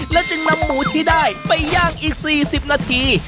แล้วจึงนำหมูที่ได้ไปย่างอีก๔๐นาที